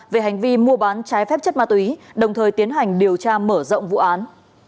về hành vi mua bán trái phép chất ma túy đồng thời tiến hành điều tra mở rộng vụ án